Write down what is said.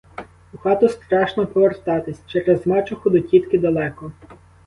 У хату страшно повертатись через мачуху, до тітки далеко.